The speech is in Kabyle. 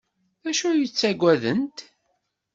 D acu ay ttaggadent?